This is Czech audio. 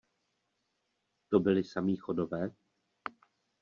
To byli samí Chodové?